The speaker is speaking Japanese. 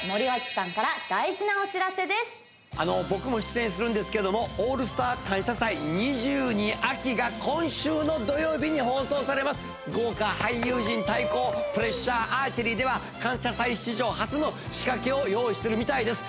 ここで僕も出演するんですけども「オールスター感謝祭’２２秋」が今週の土曜日に放送されます豪華俳優陣対抗プレッシャーアーチェリーでは感謝祭史上初の仕掛けを用意してるみたいです